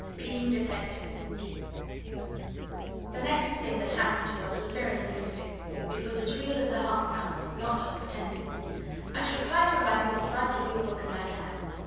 BEING DETECTIVES The next thing that happened to us was very interesting. It was as real as the half crowns not just pretending. I shall try to write it as like a real book as I can.